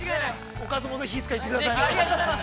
◆おかずもいつか行ってください◆ぜひ。